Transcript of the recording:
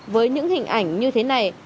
với những hình ảnh như thế này